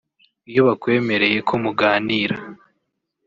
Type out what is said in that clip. Iyo bakwemereye ko muganira